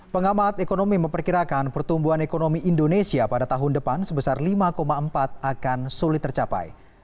pengamat ekonomi memperkirakan pertumbuhan ekonomi indonesia pada tahun depan sebesar lima empat akan sulit tercapai